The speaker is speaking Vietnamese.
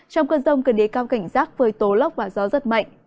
trong cơn rông cần đề cao cảnh giác với tố lốc và gió rất mạnh